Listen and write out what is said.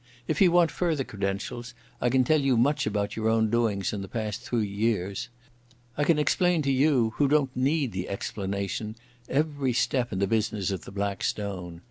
If you want further credentials I can tell you much about your own doings in the past three years. I can explain to you who don't need the explanation, every step in the business of the Black Stone.